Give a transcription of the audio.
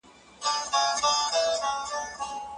که تاریخي کلاګانې ترمیم سي، نو د باران له امله نه نړیږي.